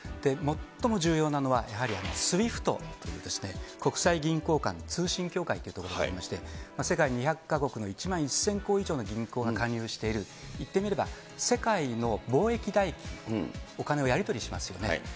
最も重要なのは、やはりＳＷＩＦＴという国際銀行間の通信協会というところがありまして、世界２００か国の１万１０００個以上の銀行が加入している、言ってみれば、世界の貿易代金、お金をやり取りしますよね。